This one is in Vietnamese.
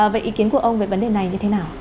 vậy ý kiến của ông về vấn đề này như thế nào